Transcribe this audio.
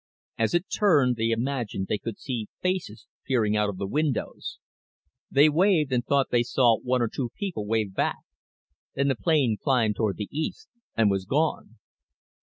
As it turned they imagined they could see faces peering out of the windows. They waved and thought they saw one or two people wave back. Then the plane climbed toward the east and was gone.